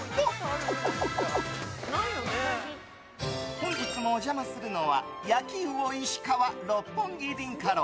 本日もお邪魔するのは焼うおいし川六本木凛華楼。